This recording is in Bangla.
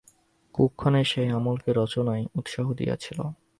কুক্ষণে সে অমলকে রচনায় উৎসাহ দিয়াছিল।